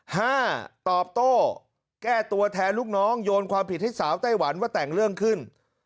ห้าตอบโต้แก้ตัวแทนลูกน้องโยนความผิดให้สาวไต้หวันว่าแต่งเรื่องขึ้น